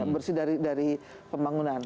bersih dari pembangunan